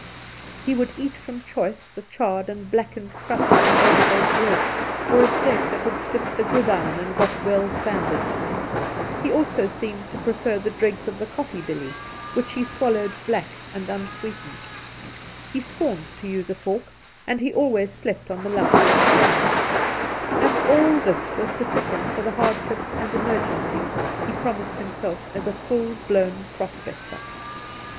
He would eat from choice the charred and blackened crust of an overbaked loaf or a steak that had slipped the gridiron and got well sanded ; he also seemed to prefer the dre^s of the coffee billy, which he swallowed black and un sweetened; he scorned to use a fork; and he always slept on the lumpiest ground ; and all this was to fit him fot the hardships and emergencies he promised himself as a full blown pros.pector.